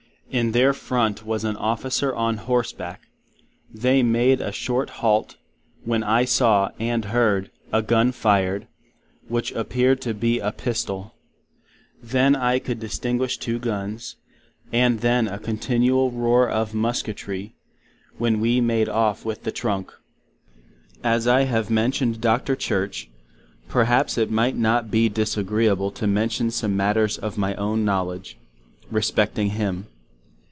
In their Front was an Officer on Horse back. They made a Short Halt; when I saw, and heard, a Gun fired, which appeared to be a Pistol. Then I could distinguish two Guns, and then a Continual roar of Musquetry; When we made off with the Trunk. As I have mentioned Dr. Church, perhaps it might not be disagreeable to mention some Matters of my own knowledge, respecting Him.